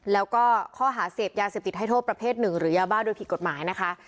แล้วก็ข้อหาเสพยาเสพติดให้โทษประเภทหนึ่งหรือยาบ้าโดยผิดกฎหมายนะคะ